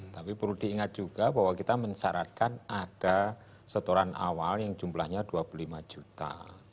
tapi perlu diingat juga bahwa kita mensyaratkan ada setoran awal yang jumlahnya dua puluh lima juta